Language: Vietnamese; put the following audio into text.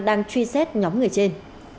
đang truy xét nhóm người trên